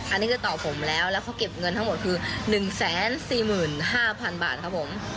อันนี้คือต่อผมแล้วแล้วเขาเก็บเงินทั้งหมดคือ๑๔๕๐๐๐บาทครับผม